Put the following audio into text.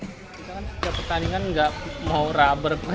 kita kan setiap pertandingan nggak mau rubber pun